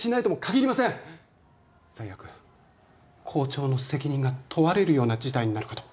最悪校長の責任が問われるような事態になるかと。